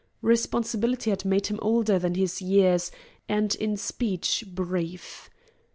Responsibility had made him older than his years, and in speech brief.